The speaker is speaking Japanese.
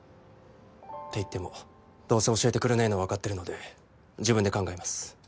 って言ってもどうせ教えてくれないのは分かってるので自分で考えます。